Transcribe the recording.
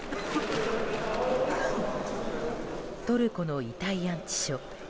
トルコの遺体安置所。